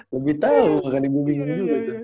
lebih tau gak akan ibu bingung juga itu